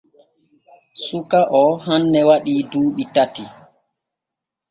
Suka o waɗi hanne duuɓi tati.